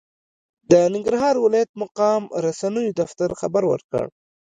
د ننګرهار ولايت مقام رسنیو دفتر خبر ورکړ،